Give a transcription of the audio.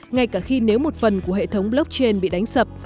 ngay cả khi nếu một phần của hệ thống blockchain bị đánh sập